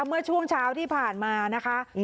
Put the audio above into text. เมื่อช่วงเช้าที่ผ่านมานะคะ